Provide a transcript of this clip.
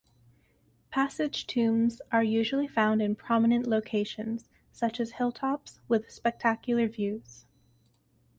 Passage tombs are usually found in prominent locations, such as hill-tops, with spectacular views.